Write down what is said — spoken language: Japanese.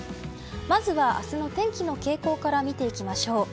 まずは、明日の天気の傾向から見ていきましょう。